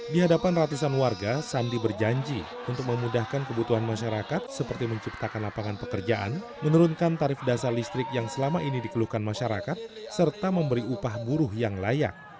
di hadapan ratusan warga sandi berjanji untuk memudahkan kebutuhan masyarakat seperti menciptakan lapangan pekerjaan menurunkan tarif dasar listrik yang selama ini dikeluhkan masyarakat serta memberi upah buruh yang layak